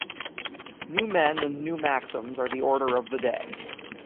New men and new maxims are the order of the day.